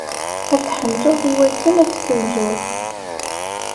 Ad tḥemmleḍ i wakken ad tkemmleḍ.